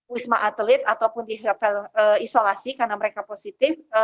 wisma atlet ataupun di hotel isolasi karena mereka positif